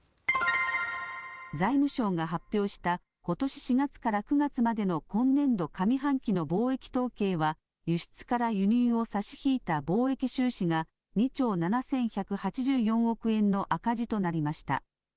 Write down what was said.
財務省が発表したことし４月から９月までの今年度上半期の貿易統計は輸出から輸入を差し引いた貿易収支が２兆７１８４億円の赤字となりました。